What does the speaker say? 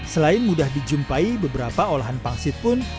selain mudah dijumpai beberapa olahan pangsit pun